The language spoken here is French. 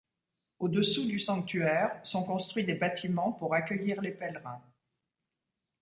Au-dessous du sanctuaire, sont construits des bâtiments pour accueillir les pèlerins.